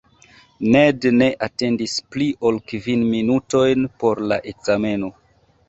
Ned ne atendis pli ol kvin minutojn por la ekzameno.